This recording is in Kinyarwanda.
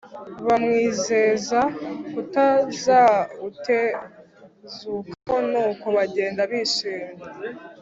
bamwizeza kutazawutezukaho, nuko bagenda bishimye